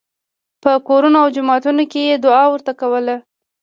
په کورونو او جوماتونو کې یې دعا ورته کوله.